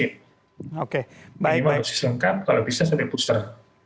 jadi proses lengkap kalau bisa sampai booster